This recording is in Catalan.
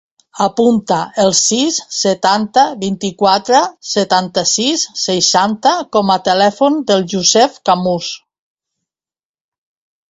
Apunta el sis, setanta, vint-i-quatre, setanta-sis, seixanta com a telèfon del Yousef Camus.